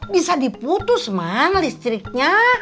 bisa diputus man listriknya